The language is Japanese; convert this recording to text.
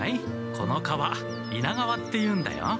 この川猪名川っていうんだよ。